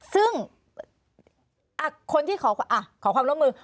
ซึ่งคนที่ขอความร่วมมือ